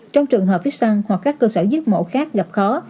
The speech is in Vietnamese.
trong trường hợp vixsang hoặc các cơ sở giết mổ khác gặp khó